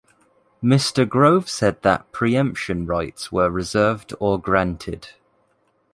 Mr. Grove said that preemption rights were reserved or granted.